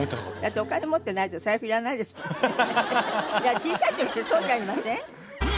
いや小さい時ってそうじゃありません？